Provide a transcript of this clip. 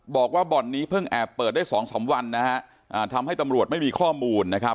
บอกว่าบ่อนนี้เพิ่งแอบเปิดได้สองสามวันนะฮะทำให้ตำรวจไม่มีข้อมูลนะครับ